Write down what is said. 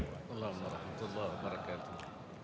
wa'alaikumsalam warahmatullahi wabarakatuh